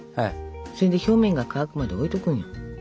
それで表面が乾くまで置いとくのよ。